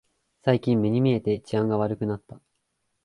最近目に見えて治安が悪くなった